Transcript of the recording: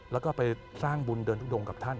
แล้วก็ไปสร้างบุญเดินทุดงกับท่าน